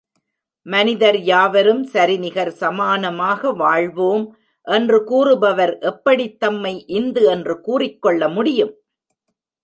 மனிதர் யாவரும் சரிநிகர் சமானமாக வாழ்வோம் என்று கூறுபவர் எப்படித் தம்மை இந்து என்று கூறிக்கொள்ள முடியும்?